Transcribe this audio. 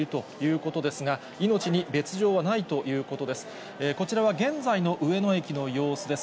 こちらは現在の上野駅の様子です。